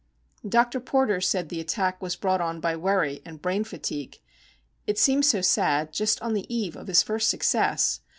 Dr. Porter said the attack was brought on by worry and brain fatigue. It seems so sad, just on the eve of his first success!